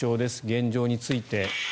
現状について。